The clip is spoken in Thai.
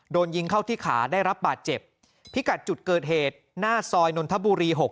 โดนยิงเข้าที่ขาได้รับบาดเจ็บพิกัดจุดเกิดเหตุหน้าซอยนนทบุรีหก